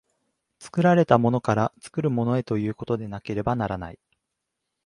作られたものから作るものへということでなければならない。